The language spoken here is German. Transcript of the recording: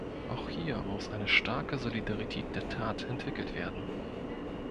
Auch hier muss eine starke "Solidarität der Tat" entwickelt werden.